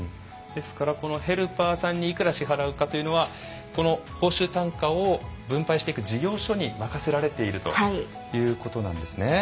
ですから、ヘルパーさんにいくら支払うというのは報酬単価を分配していく事業所に任せられているということなんですね。